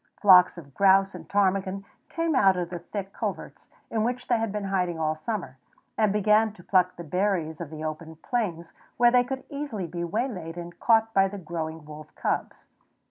Flocks of grouse and ptarmigan came out of the thick coverts, in which they had been hiding all summer, and began to pluck the berries of the open plains, where they could easily be waylaid and caught by the growing wolf cubs.